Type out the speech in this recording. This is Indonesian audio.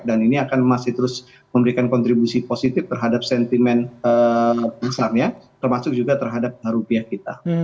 dan ini akan masih terus memberikan kontribusi positif terhadap sentimen besarnya termasuk juga terhadap baru rupiah kita